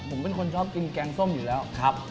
ผมเป็นคนชอบกินแกงส้มอยู่แล้วครับ